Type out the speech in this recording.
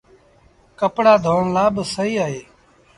ڪپڙآ ڌوڻ لآ با سهيٚ اهي۔